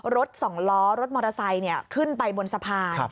รถสองล้อรถมอเตอร์ไซค์ขึ้นไปบนสะพาน